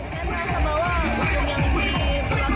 saya merasa bahwa hukum yang diperlakukan terhadap itu dulu tidak adil